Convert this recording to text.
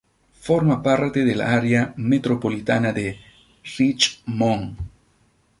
Forma parte del área metropolitana de Richmond.